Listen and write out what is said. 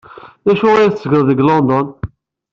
D acu ay tettgeḍ deg London?